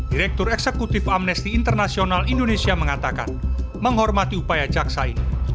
direktur eksekutif amnesty international indonesia mengatakan menghormati upaya jaksa ini